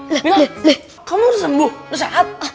kamu harus sembuh harus sehat